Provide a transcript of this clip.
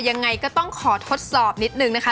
ยังไงก็ต้องขอทดสอบนิดนึงนะคะ